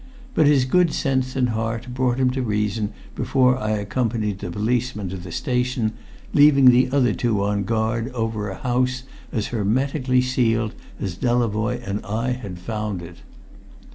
But his good sense and heart had brought him to reason before I accompanied the policeman to the station, leaving the other two on guard over a house as hermetically sealed as Delavoye and I had found it.